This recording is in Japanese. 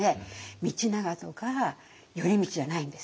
道長とか頼通じゃないんです。